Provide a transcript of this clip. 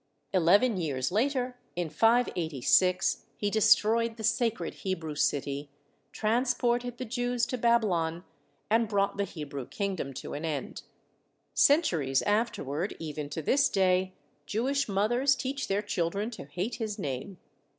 44 THE SEVEN WONDERS Eleven years later, in 586, he destroyed the sacred Hebrew city, transported the Jews to Babylon, and brought the Hebrew kingdom to an end. Centuries afterward, even to this day, Jewish mothers teach their children to hate his name.